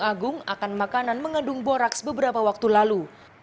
agung akan makanan mengandung boraks beberapa waktu lalu